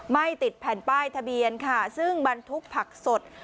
ไม่ติดแผ่นป้ายทะเบียนค่ะซึ่งบรรทุกผักสด